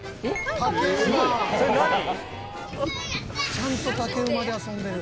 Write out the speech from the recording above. ちゃんと竹馬で遊んでる。